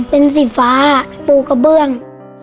เป็นสีฟ้าปูกระเบื้อง